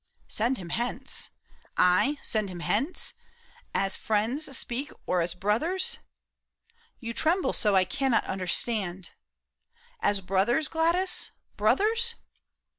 '' Send him hence ?/ send him hence ? As friends speak or as brothers ? You tremble so I cannot understand — As brothers, Gladys, brothers